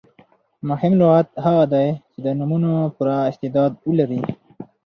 مهم لغت هغه دئ، چي د نومونو پوره استعداد ولري.